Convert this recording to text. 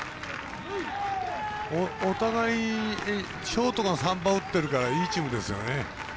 お互い、ショートが３番を打ってるからいいチームですよね。